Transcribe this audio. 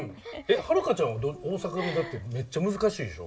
遥ちゃんは大阪弁だってめっちゃ難しいでしょ？